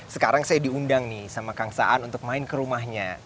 sekarang saya diundang nih sama kang saan untuk main ke rumahnya